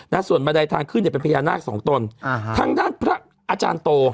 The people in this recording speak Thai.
ส่วนบันไดทางขึ้นเนี่ยเป็นพญานาคสองตนอ่าฮะทางด้านพระอาจารย์โต